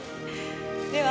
では